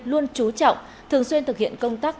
luôn trú trọng thường xuyên thực hiện công tác